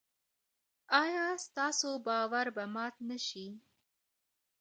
ایا ستاسو باور به مات نشي؟